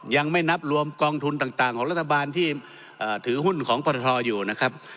ยังไม่นับรวมกองทุนต่างของรัฐบาลที่ถือหุ้นของปทอยู่นะครับ